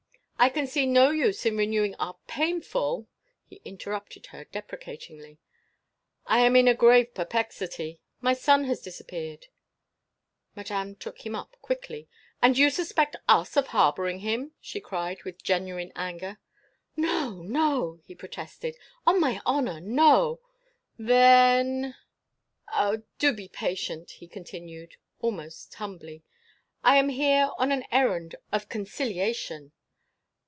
"I can see no use in renewing our painful—" He interrupted her deprecatingly. "I am in a grave perplexity. My son has disappeared—" Madame took him up quickly. "And you suspect us of harbouring him!" she cried, with genuine anger. "No, no!" he protested. "On my honour, no!" "Then—?" "Ah, do be patient," he continued, almost humbly. "I am here on an errand of conciliation."